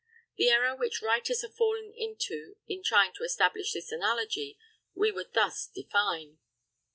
The error which writers have fallen into in trying to establish this analogy we would thus define: 748.